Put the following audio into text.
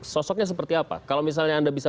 sosoknya seperti apa kalau misalnya anda bisa